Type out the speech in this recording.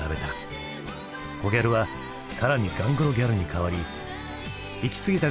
コギャルは更にガングロギャルに変わりいきすぎた